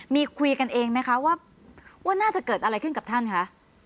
มีคุยกันเองไหมคะว่าน่าจะเกิดอะไรขึ้นกับท่านคะ